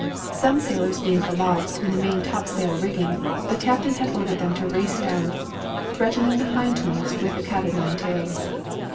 Some sailors being aloft in the main topsail rigging, the captain had ordered them to race down, threatening the hindmost with the cat of nine tails.